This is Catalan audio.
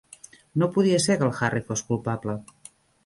No podia ser que el Harry fos culpable.